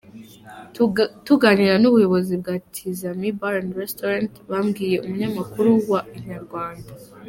Tuganira n’ubuyobozi bwa Tizama Bar& Restaurent babwiye umunyamakuru wa Inyarwanda.